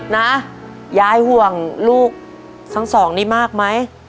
ยายห่วงลูกทั้งสองนี้มากไหม